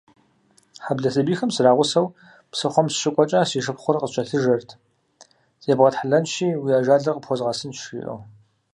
Хьэблэ сабийхэм срагъусэу псыхъуэм сыщыкӏуэкӏэ, си шыпхъур къыскӏэлъыжэрт: «Зебгъэтхьэлэнщи, уи ажалыр къыпхуэзгъэсынщ», - жиӏэу.